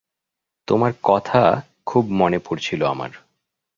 তোমার কথা খুব মনে পড়ছিল আমার।